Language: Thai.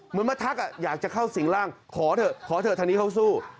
เหมือนมาทักอยากจะเข้าสิ่งร่างขอเถอะขอเถอะทางนี้เขาสู้